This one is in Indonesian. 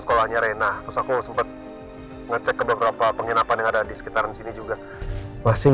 sekolahnya reina terus aku sempat ngecek ke beberapa penginapan yang ada di sekitar sini juga masih